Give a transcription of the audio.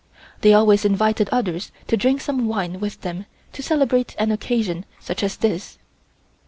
They always invited others to drink some wine with them to celebrate an occasion such as this.